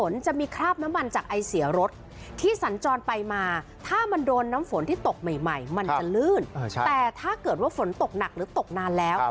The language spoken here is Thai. ว่าฝนตกหนักหรือตกนานแล้ว